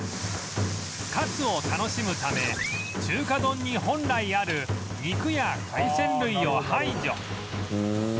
カツを楽しむため中華丼に本来ある肉や海鮮類を排除